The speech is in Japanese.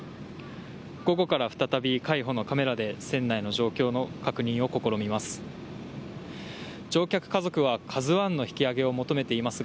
午後から再び海保のカメラで船内の状況の確認を試みます。